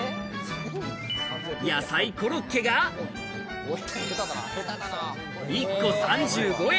やさいコロッケが１個、３５円。